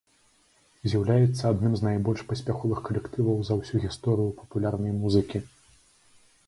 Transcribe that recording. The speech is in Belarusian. З'яўляецца адным з найбольш паспяховых калектываў за ўсю гісторыю папулярнай музыкі.